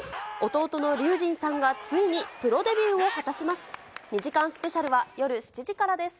弟の龍心さんがついにプロデビューを果たします。